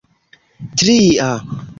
tria